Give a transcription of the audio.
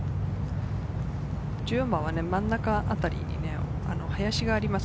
１４番は真ん中あたりに林があります。